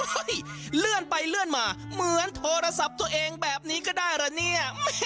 กลายเลื่อนมาเหมือนโทรศัพท์ตัวเองแบบนี้ก็ได้แบบนี้